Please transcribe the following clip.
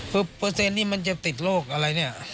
คือนี้มันจะติดโรคอะไรเนี่ย